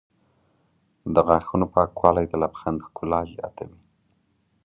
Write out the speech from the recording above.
د غاښونو پاکوالی د لبخند ښکلا زیاتوي.